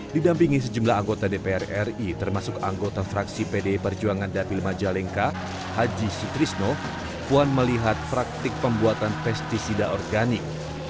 didampingi sejumlah anggota dpr ri termasuk anggota fraksi pd perjuangan dapil majalengka haji sutrisno puan melihat praktik pembuatan pesticida organik